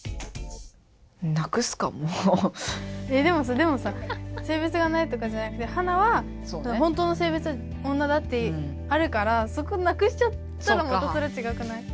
でもさでもさ性別がないとかじゃなくてハナは本当の性別女だってあるからそこなくしちゃったらまたそれ違くない？